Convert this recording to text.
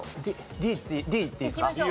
ＤＤいっていいですか？